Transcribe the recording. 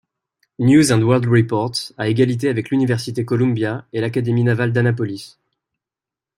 News & World Report, à égalité avec l'Université Columbia et l'Académie navale d'Annapolis.